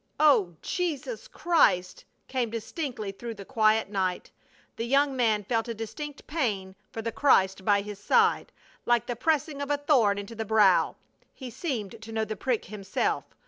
"O! Jesus Christ!" came distinctly through the quiet night. The young man felt a distinct pain for the Christ by his side, like the pressing of a thorn into the brow. He seemed to know the prick himself.